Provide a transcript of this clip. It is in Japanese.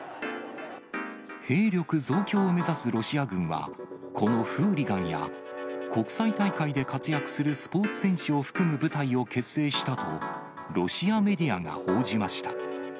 兵力増強を目指すロシア軍は、このフーリガンや、国際大会で活躍するスポーツ選手を含む部隊を結成したと、ロシアメディアが報じました。